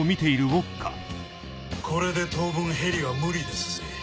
これで当分ヘリは無理ですぜ。